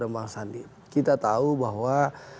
dan bang sandi kita tahu bahwa